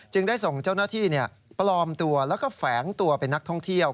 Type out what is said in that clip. ได้ส่งเจ้าหน้าที่ปลอมตัวแล้วก็แฝงตัวเป็นนักท่องเที่ยว